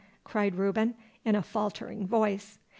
cried Reuben, in a faltering voice.